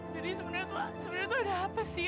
jadi sebenernya tuh ada apa sih